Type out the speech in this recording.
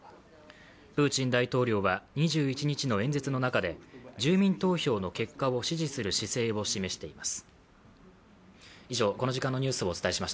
プーチン大統領は２１日の演説の中で住民投票の結果を支持する姿勢を示しています。